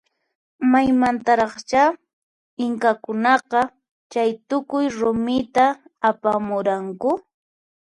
Maymantaraqcha inkakunaqa chaytukuy rumita apamuranku?